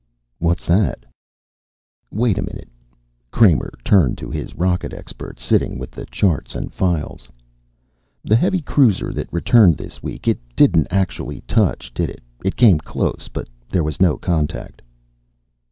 "What's that?" "Wait a minute." Kramer turned to his rocket expert, sitting with the charts and files. "The heavy cruiser that returned this week. It didn't actually touch, did it? It came close but there was no contact."